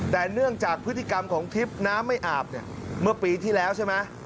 แต่เนื่องจากพฤติกรรมของทริปน้ำไม่อาบเนี่ยเมื่อปีที่แล้วใช่ไหม